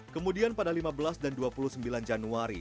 kemudian pada lima belas dan dua puluh sembilan januari